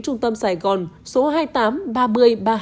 trung tâm sài gòn số hai mươi tám ba nghìn ba mươi hai